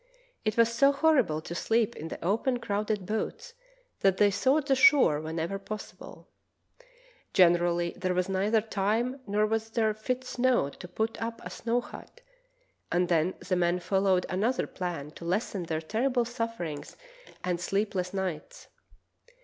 It was so horrible to sleep in the open, crowded boats that they sought the shore whenever possible. Gen erally there was neither time nor was there fit snow to put up a snow hut, and then the men followed another plan to lessen their terrible sufferings and sleepless 48 True Tales of Arctic Heroism nights.